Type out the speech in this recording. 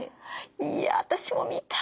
いや私も見た！